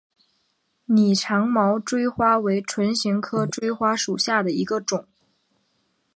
拟长毛锥花为唇形科锥花属下的一个种。